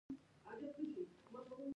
ایا د ستوني درد مو تکراریږي؟